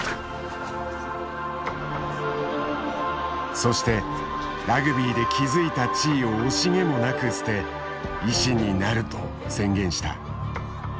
そしてラグビーで築いた地位を惜しげもなく捨て医師になると宣言した。